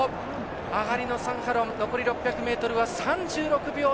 上がりの３ハロン、残り６００は３６秒７。